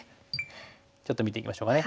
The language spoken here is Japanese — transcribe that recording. ちょっと見ていきましょうかね。